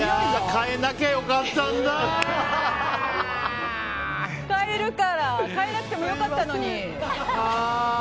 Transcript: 変えるから変えなくても良かったのに。